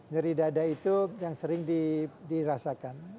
nyeri dada itu yang sering dirasakan